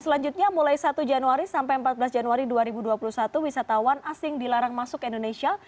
selanjutnya mulai satu januari sampai empat belas januari dua ribu dua puluh satu wisatawan asing dilarang masuk ke indonesia